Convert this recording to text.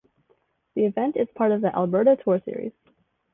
The event is part of the Alberta Tour Series.